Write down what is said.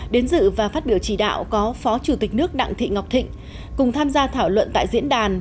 đến dự và phát biểu chỉ đạo có phó chủ tịch nước đặng thị ngọc thịnh cùng tham gia thảo luận tại diễn đàn